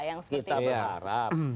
yang seperti itu